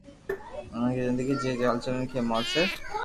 انهن کي زندگي جي چئلينجن کي موثر